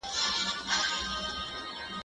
که وخت وي، مکتب ځم،